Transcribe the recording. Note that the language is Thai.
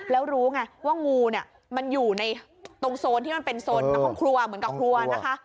แล้วรู้ไงว่างูเนี่ยมันอยู่ในตรงโซนที่มันเป็นโซนห้องครัวเหมือนกับครัวนะคะ